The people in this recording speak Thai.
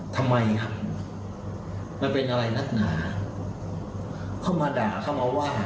ทำไมครับมันเป็นอะไรนักหนาเข้ามาด่าเข้ามาว่า